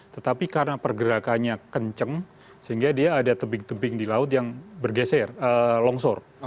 tetapi karena pergerakannya kenceng sehingga dia ada tebing tebing di laut yang bergeser longsor